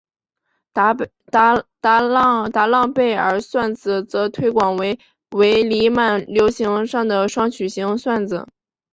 达朗贝尔算子则推广为伪黎曼流形上的双曲型算子。